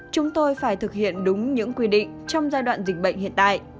chúng tôi phải thực hiện đúng những quy định trong giai đoạn dịch bệnh hiện tại